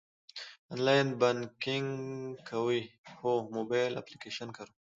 آنلاین بانکینګ کوئ؟ هو، موبایل اپلیکیشن کاروم